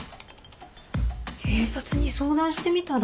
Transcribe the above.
警察に相談してみたら？